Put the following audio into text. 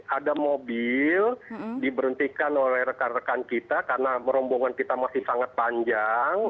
ada mobil diberhentikan oleh rekan rekan kita karena rombongan kita masih sangat panjang